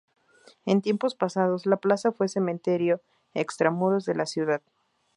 En tiempos pasados la plaza fue cementerio extramuros de la Ciudad.